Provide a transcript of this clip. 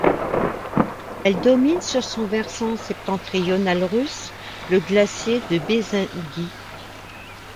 Elle domine sur son versant septentrional russe le glacier de Bezengui.